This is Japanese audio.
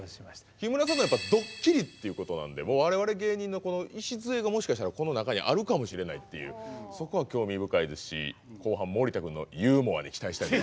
木村さんのはドッキリっていうことなんで我々芸人の礎がもしかしたらこの中にあるかもしれないっていうそこは興味深いですし後半森田君のユーモアに期待したいと。